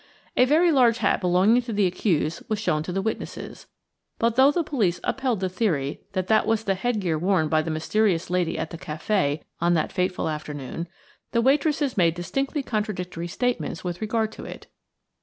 A very large hat belonging to the accused was shown to the witnesses, but, though the police upheld the theory that that was the headgear worn by the mysterious lady at the café on that fateful afternoon, the waitresses made distinctly contradictory statements with regard to it.